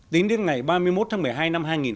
tính đến ngày ba mươi một tháng một mươi hai